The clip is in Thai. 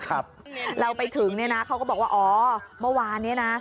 เราไปถึงเขาก็บอกว่าอ๋อเมื่อวานนี้นะ